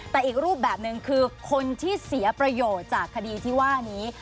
แต่อีกรูปแบบหนึ่งคือคนที่เสียประโยชน์จากคดีที่ว่านี้